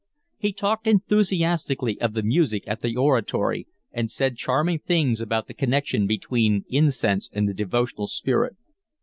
He talked enthusiastically of the music at the Oratory, and said charming things about the connection between incense and the devotional spirit.